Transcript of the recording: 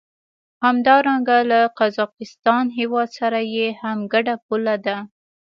همدارنګه له قزاقستان هېواد سره یې هم ګډه پوله ده.